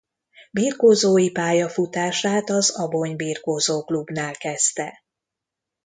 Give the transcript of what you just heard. Birkózói pályafutását az Abony Birkózó Clubnál kezdte.